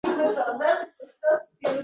Men xat yubormoqchiman.